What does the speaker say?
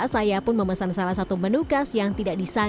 saya pun memesan salah satu menu khas yang tidak disajikan